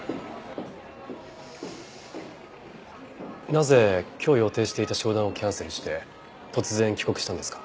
なぜ今日予定していた商談をキャンセルして突然帰国したんですか？